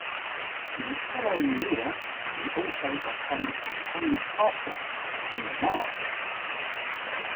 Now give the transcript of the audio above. The following year, he also obtained a Spanish passport, in March.